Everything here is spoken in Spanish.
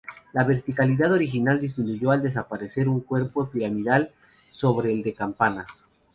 La verticalidad original disminuyó al desaparecer un cuerpo piramidal sobre el de campanas.